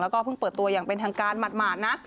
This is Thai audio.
แล้วก็เพิ่งเปิดตัวอย่างเป็นทางการหมาดนะ